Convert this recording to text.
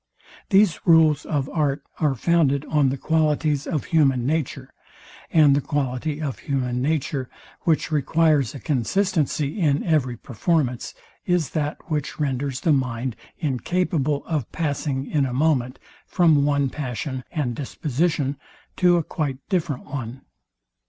These rules of art are founded on the qualities of human nature; and the quality of human nature, which requires a consistency in every performance is that which renders the mind incapable of passing in a moment from one passion and disposition to a quite different one.